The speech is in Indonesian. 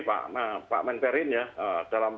pak men perin ya dalam